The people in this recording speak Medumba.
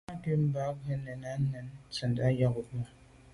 Á cúp mbɑ̄ rə̌ nə̀ rə̀ nǔ nə̄ tsə́’də́ nyɔ̌ŋ bú.